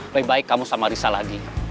lebih baik kamu sama risa lagi